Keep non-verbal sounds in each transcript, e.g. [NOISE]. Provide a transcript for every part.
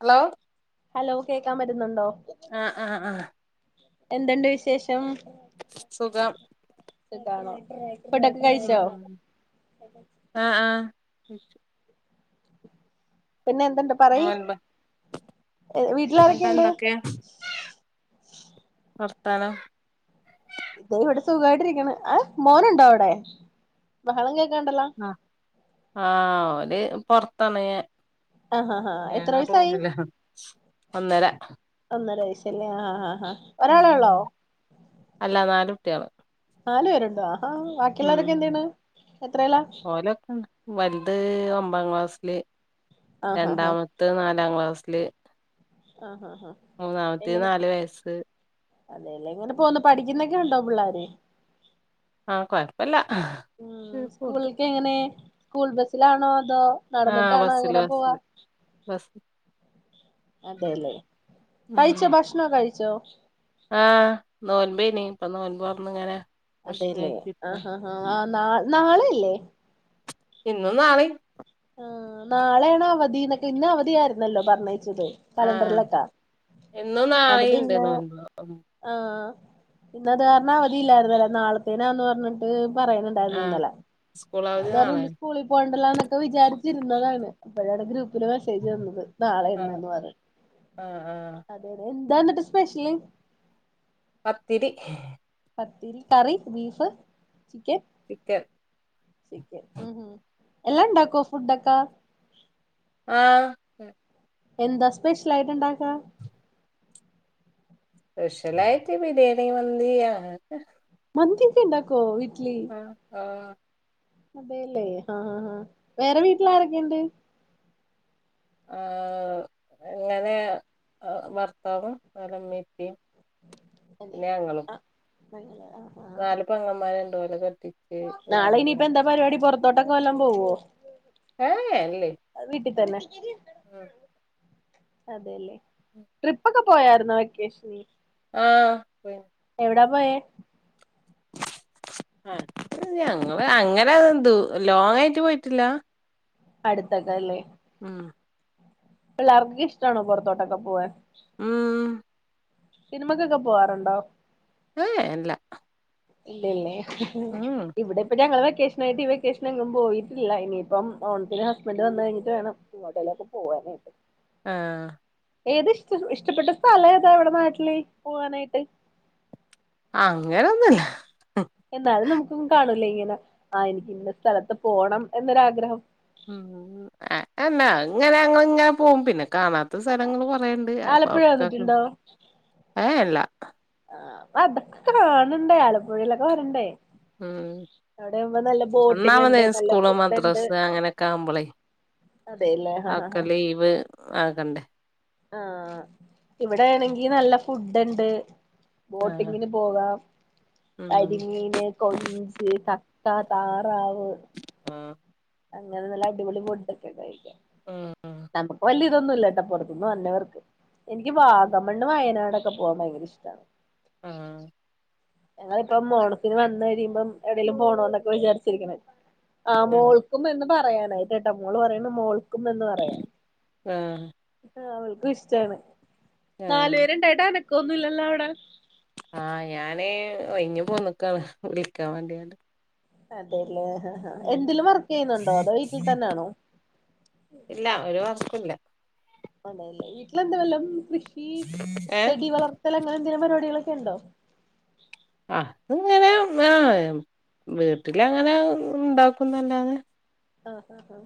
Hello hello കേൾക്കാൻ വരുന്നുണ്ടോ ആഹ ആഹ ആഹ എന്തുണ്ട് വിശേഷം സുഖം സുഖാണോ ഫുഡൊക്കെ ഉ കഴിച്ചോ ആഹ ആഹ പിന്നെ എന്തുണ്ട് ന പറയ് ണ്ട വീട്ടിലാരൊക്കെയുണ്ട് എന്തൊക്കെ വർത്താനം സുഖമായിട്ടിരിക്ക മോനുണ്ടോ അവിടെ ബഹളം കേക്ക് ആഹ ആ അവര് പൊറത്തണ ആഹാ ഹാ എത്ര വയസായി ഒന്നര ഒന്നര വയ ല്ലേ ആാ ആാ ആാ ഉ അല്ല നാല കുട്ടിയാണ് നല് പേരുണ്ടോ ആ ബാക്കിയുള്ളരൊക്കെ എന്താണ് എത്രയല്ലാ ഓലൊക്കെ വലുത് ഒമ്പാം ക്ലാസ്സില് ആഹ് ഹാ ഹാ രണ്ടാമത്ത് നാലാം ക്ലാസ്സില് ആഹ് ഹാ ഹാ മൂന്നാമത്തി നാല് വയസ്സ് അല്ലല്ലേ എങ്ങനെ പോന്ന പഠിക്കുന്നക്കെ ഉണ്ടോ പിള്ളോര് ആഹ കൊഴപ്പില്ല ഉ സ്കൂളക്ക് എങ്ങനെ സ്കൂൾ ബസിലാണോ എന്തോ ആഹ് നടന്നിട്ടാണോ ബസ്സില് എങ്ങനെ പോവാ ബസ്സില് ബസ് അതെല്ലേ ഉം കഴിച്ചോ ഭക്ഷണോ കഴിച്ചോ ആഹ് നോൻപോനീ ഇനി ഇപ്പൊ നോൻപോന്നങ്ങനെ അതെല്ലേ ആഹ ആ ആ ആ നാ നാളെ അല്ലേ ഇന്നും നാളെ ആ നാളെയണ അവധി എന്നൊക്കെ ഇന്ന അവധിയ ആായിരുന്നല്ലോ പറഞ്ഞ ആഹ് കലണ്ടറിലൊക്കാ ഇന്നും അത് നാളീണ്ട് പിന്നെ നോൻപ് ആഹ പിന്ന അത് കാരണം അവധി ഇല്ലായിരുന്നുുന്ന വല നാളത്തേനാന്ന് പറഞ്ഞിട്ട് പറയണ് ഉണ്ടായിരുന്നു ആഹ് ഇന്നലെ സ്കൂൾ അവധി അത് കാരണം എന്ത് നാളേണ് സ്കൂളിൽ പോവണ്ടല്ലോ വിചാരിച്ചിരുന്നതാണ് അപ്പയാണ് ഗ്രു പ്പ്ല് മെസ്സേജ് വന്നത് നാളെ ആഹ് ഇണ്ട്ന്ന് പറ ആഹ് ആഹ് അതെ അതെ ഇതാന്നിട്ട് സ്പെഷ്ല് പത്തിരി പത്തിരി കറി ബീഫ് ചിക്കൻ ചിക്കൻ ചിക്കൻ ആഹ് എല്ലാം ഇണ്ടാക്കോ ഫുഡൊക്കാ ആഹ് എന്താ സ്പെഷ്യലായിട്ട് ഇണ്ടാക്കാ പെഷ്യലായിട്ട് ബിരിയാണി മന്തി ആഹ് മന്തിക്കെ ഇണ്ടാക്കോ വീ ആഹ് ആ അതേല്ലേ ആഹ് ആഹ് ആഹ് വേറെ വീട്ടിളാരക്കെയിണ്ട് ആഹ് എങ്ങനെ ഭർത്താവും ഓലെ ഇമ്മി ഇപ്പി അല്ലേ ആഹ് നല്ല നാല് പെങ്ങന്മാര്ണ്ട് ഓലെ കെ നാളെ ഇനിയിപ്പം എന്താ പരിപാടി പൊറത്തോട്ടൊക്കെ വല്ലോം പോവോ ഏഏ ഇല്ലേ തന്നെ ഉം അതെ ലെ ട്രിപ്പ് ഒക്കെ പോയായിരുന്നോ വെക്കേഷൻല് ആഹ് പോയി എവടാ പോയേ അത് ഞങ്ങള് അങ്ങനെ ദൂ ലോങ്ങായിട്ട് പോയിട്ടില്ല അടുത്തക്ക ഇള്ളെ ഉം പിള്ളേർക്കിം ഇഷ്ടണോ പുറത്തോട്ടൊക്കെ പോവാൻ ഉം സിനിമക്കൊക്കെ പോവാറുണ്ടോ ഇല്ല ഇല്ലല്ലേ ഇവിടെ ഇപ്പ ഞങ്ങൾ വെ വെക്കേഷനായിട്ട് ഈ വെക്കേഷൻ എങ്ങും പോയിട്ടില്ല ഇനിയിപ്പം ഓണത്തിന് ഹസ്ബന്റ് വന്ന് കഴിഞ്ഞിട്ട് വേണം എങ്ങോട്ടേലൊക്കെ പോവാന് [UNINTELLIGIBLE] ആഹ് ഏത് ഇഷ്ട ഇഷ്ടപ്പെട്ട സ്ഥലഏതാ ഇവടെ നാട്ടിള് പോവാനായിട്ട് അങ്ങനൊന്നുല്ല എന്നാലും നമുക്കും കാണൂലേ ഇങ്ങനെ ആ എനിക്ക് ഇന്ന സ്ഥലത്ത് പോണം എന്നൊരാഗ്രഹം ഉ അ ഹമ്മ അങ്ങനെ അങ്ങുഞ്ഞ പോവും പിന്നെ കാണാത്ത സ്ഥലങ്ങള് മഴണ്ട് അപ്പൊ ആലപ്പുഴ അവുടുക്കൊക്കെ വന്നിട്ടുണ്ടോ ഏഴ് ഏഴ് അല്ല ആഹ് അപ്പൊ അതൊക്കെ കാണണ്ടേ ആലപ്പുഴയിലൊക്കെ വരണ്ടേ ഉം അവിടെ ആവുമ്പോ നല്ല ബോട്ടിംഗ് ഒന്നാമത ഉണ്ട് നല്ല സ്കൂള് ഫുഡ് ഉണ്ട് മദ്രാസ് അങ്ങനൊക്കെ ആവുമ്പളേയ് അതെല്ലേ ആ അഹ് ആ ഒക്കെ ആ ലീവ് ആകണ്ടേ ആഹ് ഇവടേണങ്കി നല്ല ഫുഡ്ണ്ട് ആഹ് ബോട്ടിങ്ങിന് പോകാം ഉം കരിമീന് കൊഞ്ച് ക താ താറാവ് ആഹ് അങ്ങന നല്ല അടിപൊളി ഫുഡൊക്കെ കഴിക്ക ഉം നമുക്ക് വല്ല്യ ഇതൊന്നും ഇല്ലട്ടോ പൊർത്ത്ന്ന് വന്നവർക്ക് എനിക്ക് വാഗമണ്ണ് വയനാടൊക്കെ പോവാം ഭയങ്കര ഇഷ്ടാണ് ആഹ് ഞങ്ങിപ്പ മോണത്തിന് വന്ന് കഴിയുമ്പോം എവിടെേങ്കലും പോണ എന്നൊക്കെ വിചാരിച്ചിരിക്കണ ആ ആഹ് മോൾക്കും എന്ന് പറയാനായിട്ട ട്ടാ മോള് പറയുന്ന മോൾ ന്ന് പറയാം ആഹ് അവൾക്കും ഇഷ്ടാണ് നാലു ആഹ് പേരുണ്ടായിട്ടാ അനക്ക ഒന്നുംല്ലല്ലോ അവിടെ ആഹ ഞാന് ഇൈഞ്ഞ പോൊന്നക്കാണ് വിളിക്കാൻ വേണ്ടിയണ്ട് അതെ എന്തിലും വർക്ക് ചെയ്യുന്നുണ്ടോ അതോ വീട്ടിൽ തന്നൊണോ ഒരു വർക്കുല്ല ഇല്ല അതല്ലേ വീട്ടില എന്താ വല്ലം കൃഷി ഏ ചെടി വളർത്തൽ അങ്ങനെ എന്തെങ്കും പരിപാടികൾ ഒക്കെണ്ടോ ആഹ് ഇങ്ങനെ ആഹ വീട്ടില അങ്ങനെ ഉണ്ടാക്കുന്നല്ലാന്ന് ആഹ ആ ആാ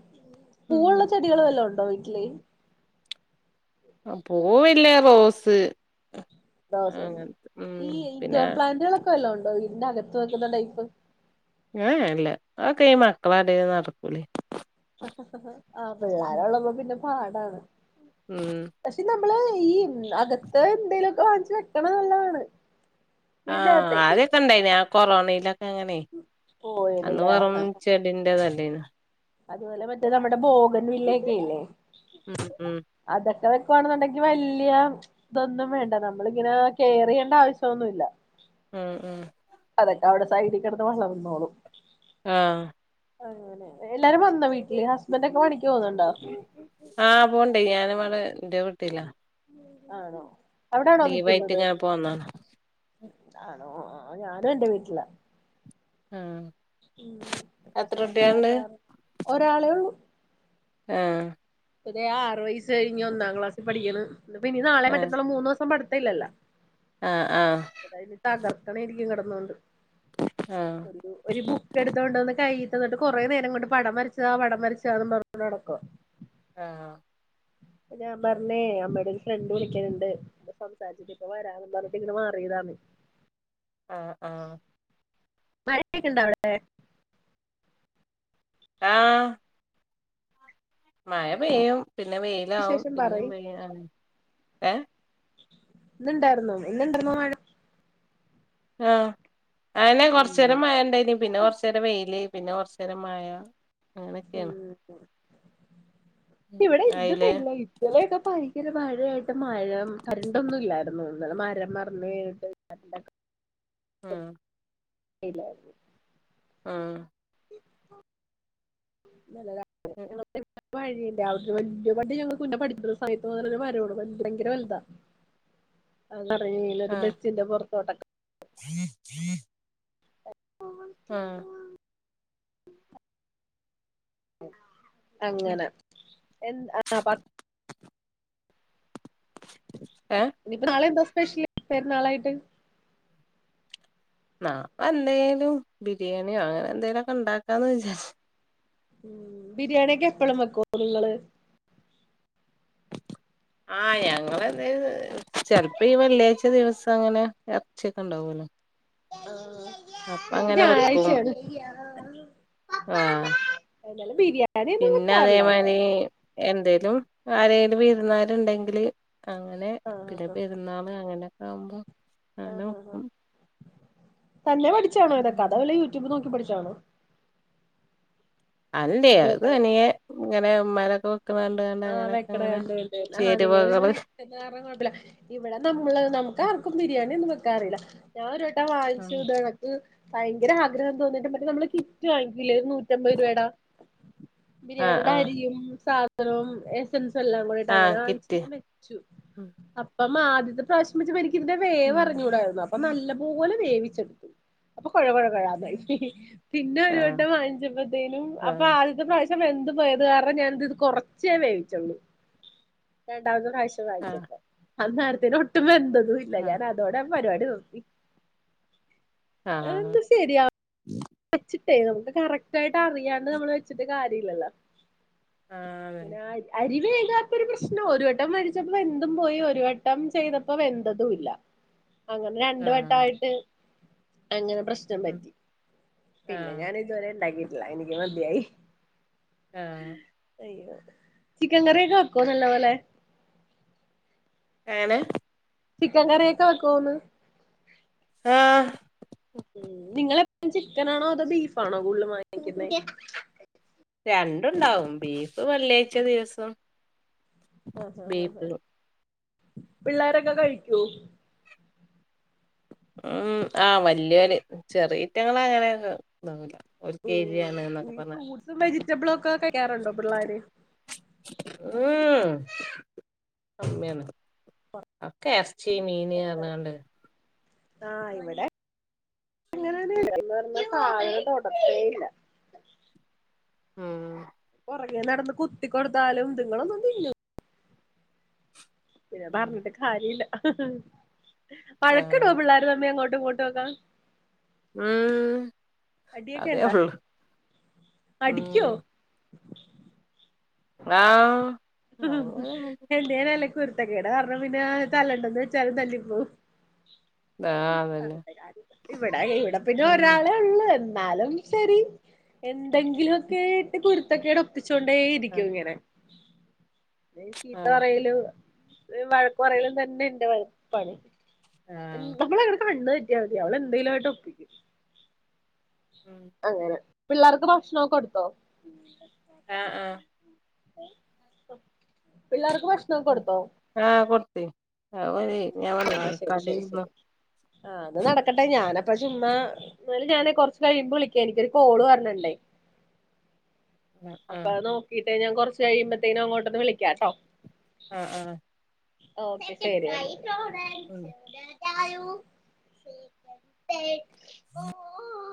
പൂവള്ള ചെടികൾ വല്ല ഉണ്ടോ വീട്ടിലേ ആ പോവില്ലേ റോസ് ദോസണ്ട് അങ്ങനത്തെ ഉം ഈ പിന്നെ ഇൻഡോർ പ്ലാന്റുകളൊക്കെല്ലോ ഉണ്ട് ഇന്ന അകത്ത് വെക്കുന്ന ടൈപ്പ ല്ല അക്കെ ഈ മക്കള അട നടക്കൂലേ ആ പിള്ളോര ഉള്ളമ്പോ പിന്നെ പാടാണ് ഉം പക്ഷെ നമ്മള് ഈ അകത്ത് എന്തെലുമൊക്കെ വാങ്ങിച്ചച്ച് കെക്കണ നല്ലതാണ് വീടിന്റെ ആഹ അകത്തെ ആദ്യൊക്കെ ഇണ്ടായിന ആ കൊറോണയിലൊക്കെ അങ്ങനെ ഓ അന്ന് ഏതല്ലേ ആ പററം ആ ചെടിന്റെ നല്ലേന അതുപോലെ മറ്റേ നമ്മുടെ ബോഗൻ വില്ലൊക്കെല്ലേ ഉം ഉം വെക്കുവാണെന്നുണ്ടെങ്കിൽ വലിയ ഇതൊന്നും വേണ്ട നമ്മളിങ്ങനെ കെയറ ചെയ്യേണ്ട ആവശ്യംൊന്നുമല്ല ഉം ഉം അതൊക്കെ അവിടെ സൈഡിക്കടത്ത് വെള്ളം വന്നോളും ആഹ് അങ്ങനെ എല്ലാരും വന്നോ വീട്ടില് ഹസ്ബൻഡ് ഒക്കെ പണി ആഹ് പോണ്ട് ഞാനുവടെ ഇന്റെ വീട്ടിലാ. ആണോ അവ്ടാണോ ലീവായിട്ട് നിക്കുന്നത് ഇങ്ങനെ പോന്നാണ് ആ ണോ ആ ഞാനും എൻറെ വീട്ട്‌ലാ ആഹ് ഉപ എത്ര ഹസ്ബൻഡ് ഇല്ലാത്ത കുട്ടികളുണ്ട് കാര [INAUDIBLE] ഒരാളെ ഒള്ളൂ ആഹ് ഇപ്പതേ ആറു വയസ് കഴിഞ്ഞു ഒന്നാംക്ലാസി പഠിക്ക്ണ് ഇന്ന്പ്പ ഇനി നാളെ ഏ മറ്റന്നാളും മൂന്ന് ദിവസം പഠിത്തം ഇല്ലല്ലോ. ആഹ് ആഹ് ക്കണേരിക്കും കടന്നോണ്ട് ആഹ് ഒരു ഒര ബുക്ക് എടുത്തോണ്ട് വന്ന് കയ്യ് തന്ന്ട്ട് കൊറേ നേരം കൊണ്ട് പടം വരച്ച് താ പടം വരച്ച് താന്നും പറഞ്ഞോണ്ട് നടക്ക്വാ. ആഹ ഞാൻ പറഞ്ഞേ അമ്മയുടെ ഒരു ഫ്രണ്ട് വിളിക്കാന്നുണ്ട് അപ്പ സംസാരിച്ചിട്ടിപ്പ വരന്ന് പറഞ്ഞട്ട് ഇങ്ങട്ട് മാറിതാണ് ആഹ ആഹ മഴൊക്കെ ഉണ്ടൊ അവിടെ ആഹ മഴ പെയ്യും പിന്നെ വെയിലാവും വിശേഷം പിന്നേം പറയ് പെയ്യും അങ്ങനെ ഏ ഇന്നുണ്ടാരുന്നോ ഇന്നുണ്ടാരുന്നോ മഴ ആഹ അനെ ഉം കൊറച്ച്നേരം മഴയുണ്ടായിനി പിന്നെ കൊറച്ച് നേരം വെയില് പിന്നെ കുറച്ചുനേരം മഴ അങ്ങനെയൊക്കെയാണ് ഉം ഉം ഇവിടെ ഇന്ന് അയില് പെയ്തില്ല ഇന്നലെയൊക്കെ ഭയങ്കര മാഴയായിട്ട് മരം കരണ്ടൊന്നും ഇല്ലായിരുന്നു ഇന്നലെ മരം മറിഞ്ഞു വീണിട്ട് [UNINTELLIGIBLE] ആഹ ഇല്ലാരുന്നു ആഹ് ഇന്നലെ രാ ഒ വഴിയില്ല വല്ല്യപട്ടി ഞങ്ങള് കുഞ്ഞ പഠിക്കുന്ന സയത്ത് [UNINTELLIGIBLE] വല്ല്യ ഭയങ്കര വലുതാ അത് നിറയെ ഒരു ആഹ് ബസ്സിന്റെ പുറത്തോട്ടൊക്കെ ആഹ് ഉം അങ്ങനെ എന്ന് ആ പ ഏഹ് ഇനിയിപ്പ നാളെ എന്താ സ്പെഷ്യല് പെരുന്നാളായിട്ട് ന എന്തേലും ബിരിയാണിയോ അങ്ങനെ എന്തെലോക്കെ ഉണ്ടാക്കാന്ന് വിജാരിച്ച് ഉം ബിരിയാണിയൊക്കെ എപ്പളും വെക്കുവോ നിങ്ങള് ആഹ് ഞങ്ങളെന്ത ചെലപ്പോ ഈ വെള്ളിയാഴ്ച ദിവസം അങ്ങനെ ഇറച്ചിയൊക്കെ ഉണ്ടാവുമല്ലോ ആഹ് എന്ക്ക് വെക്കും ഞായറാഴ്ചേണ് ആഹ് ഏത്യാലു ബീര്യേ പിന്നെ അതേമാരി എന്തേലും ആരേലും വിര്ന്നാര് ഇണ്ടെങ്ക്ല് അങ്ങനെ ആഹ് പിന്നെ പെരുന്നാള് അങ്ങനെക്കെ ആകുമ്പം അഹ്അഹ് അഹ് തന്നെ പഠിച്ചാണോ ഇതൊക്കെ അതോ ഉം. വലെ യൂട്യൂബ് നോക്കി പഠിച്ചാണോ അത് ഇണ്ടേ ഫുഡ് അത് വെക്കാനൊക്കെ തനിയെ ഇങ്ങനെ ഉമ്മതോക്കൊ ആഹ് വെക്ക്ണ കണ്ട്ഇണ്ട് ആഹ് നിങ്ങള്ന്ന് [UNINTELLIGIBLE] ചേരുവകള് വെക്ക കുഴപ്പില്ല ഇവടെ നമ്മള് നമുക്ക് ആഹ് ക്കും ബിരിയാണ്യെന്നും വെ ഇക്കറീല്ല ഞാൻ ഒരു വട്ടം വാങ്ങിച്ചു ഇതണക്ക് ഭയങ്കെര ആഗ്രഹം തോന്നിട്ട് മറ്റെ നമ്മള് കിറ്റ് വാങ്ങ ഇല്ലെ നൂറ്റമ്പത് രൂവെ എടാ ആഹ് ബിരിയാണി ആഹ് ഡാരിഡിയും സാധനവും എസ്സൻസ് എല്ലാം കൂടെട്ട് ആഹ് അങ്ങനെ വാങ്ങിച്ചു കിറ്റ് [UNINTELLIGIBLE] വെച്ചു അപ്പം ആദ്യത്തെ പ്രാവ്ശ് ഇതിന്റെ വേ വ ഉം റിഞ്ഞൂടായിരുന്നു അ അപ്പൊ നല്ലപോലെ വേവിച്ചെടുത്തു അപ്പൊ കുഴപഴകഴന്ന പിന്നെ ഒരു ആഹ് വട്ടം വാങ്ങിച്ചപ്പോത്തേനും അപ്പൊ ആഹ് ആദ്യത്തെ പ്രാവശ്യം വെന്തതു പോയത് കാരണം ഞാനത് കൊറ ചേ വേവിച്ചോളൂ രണ്ടാമത്തെ പ്രാവശ്യം ആഹ് വാങ്ങിച്ചപ്പോ അന്നേരത്തിന് ഒട്ടും വെന്ത ല്ല ആഹ് ഞാൻ അതോടെ പരിപാടി നിർത്തി ആഹ് ആഹ് എന്ത് ശരിയാ വച്ചിട്ടേ നമുക്ക് കറക്റ്റ് ആയിട്ട് അറിയാണ്ട് നമ്മള് വെച്ചിട്ട് കാര്യല്ലല്ലോ ഇങ്ങനെ അരിവെ ത്തൊരു പ്രശ്നം ഒരു വട്ടം വരിച്ചപ്പോ ന്തും പോയി ഒരു വട്ടം ചെയ്തപ്പോ വെന്തതും ഇല്ല അങ്ങനെ ആഹ് രണ്ടുവട്ടയിട്ട് അങ്ങനെ പ്രശ്നം പറ്റി ആഹ് പിന്നെ ആഹ് ഞാൻ ഇതുവരെ ഉണ്ടാക്കിട്ടില്ല എനിക്ക് മതിയായി ആഹ് അയ്യോ ചിക്കൻ കറിയൊക്കെ വെക്കോ നല്ല പോലെ എങ്ങനെ ചിക്കൻ കറിയൊക്കെ വെക്കോന്ന് ആഹ് ഉ നിങ്ങളെപ്പും ചിക്കൻാണോ അതോ ബീഫാണോ കൂടുതലും വാങ്ങിക്കുന്ന രണ്ടുണ്ടാവും ബീഫ് വെള്ളിയാഴ്ച ദിവസം ആഹ് ആ ഹാ ബീഫ് പിള്ളോരൊക്കെ കഴിക്കൂ ഉം ആഹ വല്യൊര് ചെറിയറ്റങ്ങ അങ്ങനെ തി ഉം ഈ ഫ്രൂട്സും വെജിറ്റബിളും ഒക്കെ കയ്കറുണ്ടോ പിള്ളോര് ഉം അമ്മയാണ് അക്കെ ഇറച്ചി മീൻ പറഞ്ഞണ്ട് ആഹ് ഇവിടെ അങ്ങനന്ന് പറഞ്ഞ സായങ്ങള് തൊടർത്തേയില്ല ഉം അങ്ങെ നടന്ന് കുത്തി കൊടുത്താലും ഇതുങ്ങളൊന്നുംും ഇല്ലു പിന്നെ ഉം പറഞ്ഞിട്ട് കാര്യമല്ല വഴക്കെടുവ ആഹ് പിള്ളേർ നമ്മി അങ്ങോട്ട് പോട്ടോക്കാ ഉം അടിയൊക്കെ അതേ എണ്ട ഉള്ളു അടിക്കോ ഉം ആഹ് അങ്ങനെ എന്ത നല്ല കുരുത്തക്കേടാ പറഞ്ഞ പിന്നെ തല്ലണ്ടന്ന് വെച്ചാലും തല്ലിപ്പോ ആഹ് അതന്നെ ഇവിടെ ഇവിടെ പിന്നെ ഉം ഒരാള ഉള്ളൂ എന്നാലും ശെരി എന്തെങ്കിലുമൊക്കെ ഇട്ട് കുരുത്തൊക്കെടെ ഒപ്പിച്ചൊണ്ടേ ആഹ് ഇരിക്കും ഇങ്ങനെ ചീത്ത ആഹ് പറയലും വഴക്ക പറയലും തന്നെ ഇന്റെ വഴപ്പാണ് ആഹ് നമ്മളങ്ങടെ കണ് പറ്റിയാൽ മതി അവള എന്തെലുംയിട്ട് ഒപ്പിക്കും ഉം അങ്ങനെ പിള്ളേർക്ക് ഭക്ഷണൊക്കെ എടുത്തോ ആഹ് ആഹ് പിള്ളേർ ആഹ് ഏ കൊത്തി ആഹ് ശരി ശരി തിന്നു ശരി ആഹ് അത് നടക്കട്ടെ ഞാനപ്പ ചുമ്മാ എന്നല് ഞാനൻ കൊറച്ച് കഴിയുമ്പോൾ വിളിക്കാ എനിക്കൊരു കോട് പറണണ്ടേ ആഹ് അപ്പൊ ആഹ് അത് നോക്കീട്ടേ ഞാൻ കുറച്ച കഴിയുമ്പോത്തേനും അങ്ങോട്ടൊന്ന് വിളിക്കാട്ടോ ആഹ് ആഹ് ഓക്കെ ശരി ഉം [UNINTELLIGIBLE]